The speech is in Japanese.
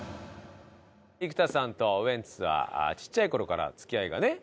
生田さんとウエンツはちっちゃい頃から付き合いがね。